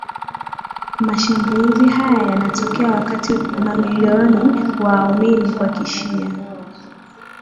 mashambulizi haya yanatokea wakati mamilioni wa waumini wa kishia